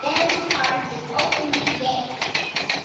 Dehnart is openly gay.